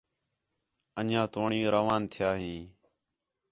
انڄیاں توڑیں روان تِھیا ہیں